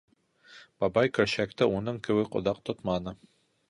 Бабай көршәкте уның кеүек оҙаҡ тотманы.